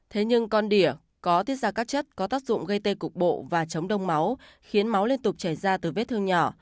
thế nhưng con đỉa có tiết ra các chất có tác dụng gây tê cục bộ và chống đông máu khiến máu liên tục chảy ra từ vết thương nhỏ